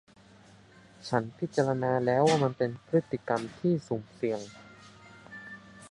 ฉันพิจารณาแล้วว่ามันเป็นพฤติกรรมที่สุ่มเสี่ยง